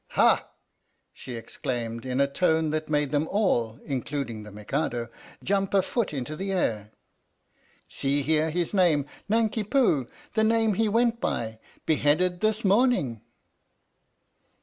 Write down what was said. " Ha!" she exclaimed in a tone that made them all (including the Mikado) jump a foot into the air. "See here his name Nanki Poo the name he went by beheaded this morning